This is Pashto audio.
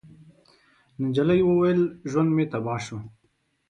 نجلۍ وويل: ژوند مې تباه شو.